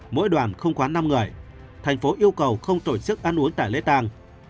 mỗi đoàn không quá năm người thành phố yêu cầu không tổ chức ăn uống tại lễ tàng